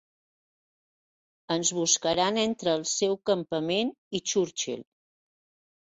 Ens buscaran entre el seu campament i Churchill.